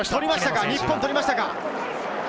日本、取りました。